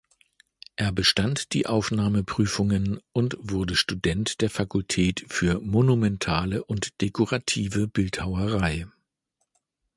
Er bestand die Aufnahmeprüfungen und wurde Student der Fakultät für monumentale und dekorative Bildhauerei.